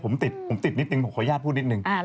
ผมติดนิดนึงขออนุญาตพูดนิดนึง